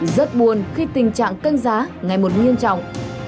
rất buồn khi tình trạng canh giá ngày một nghiêm trọng